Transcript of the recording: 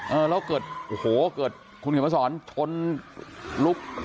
เออแล้วเกิดโอ้โหเกิดคุณเขียนมาสอนชนลุก